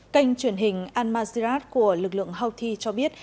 kênh truyền hình al masirat của lực lượng houthi cho biết